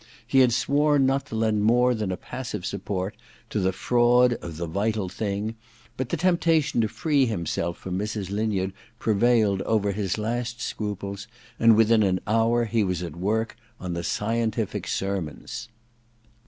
He had sworn not to lend more than a passive support to the fraud of * The Vital Thing *; but the temptation to free himself from Mrs. Linyard prevailed over his last scruples, and within an hour he was at work on the Scientific Sermons.